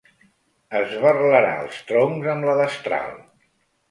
Esberlarà els troncs amb la destral.